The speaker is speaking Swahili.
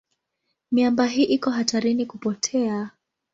Miamba hii iko hatarini kupotea.